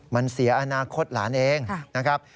มันเสียอนาคตหลานเองนะครับ